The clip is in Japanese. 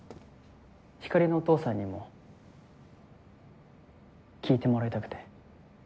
ひかりのお父さんにも聞いてもらいたくて。